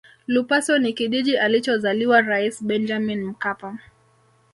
lupaso ni kijiji alichozaliwa rais benjamin mkapa